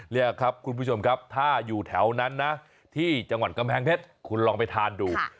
นี่ครับคุณผู้ชมครับถ้าอยู่แถวนั้นนะที่จังหวัดกำแพงเพชรคุณลองไปทานดู